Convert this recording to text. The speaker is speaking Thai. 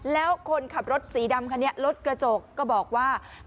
แล้วคนขับรถสีดำคันนี้รถกระจกก็บอกว่า